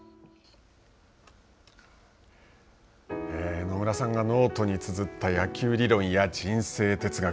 野村さんがノートにつづった野球理論や人生哲学。